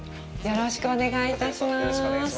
よろしくお願いします。